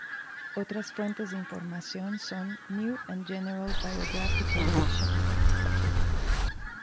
Otras fuentes de información son: "New and General Biographical Dictionary", xii.